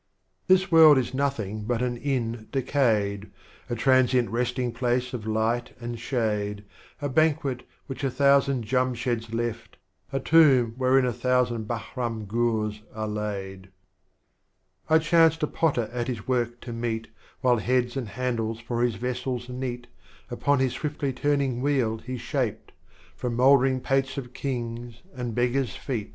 This World is nothing but an Inn dcicayed, A transient Resting Place of Light and Shade, A Banquet which a thousand Jiimsheds left, a tomb, Wherein a thousand Bahrdm Gours are laid. I chanced a Potter at his Work to meet. While Heads and Handles for his Vessels neat, Upon his swiftly turning wheel he shaped; — From Mouldering Pates of Kings and Beggar's Feet.